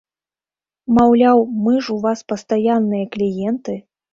Маўляў, мы ж у вас пастаянныя кліенты!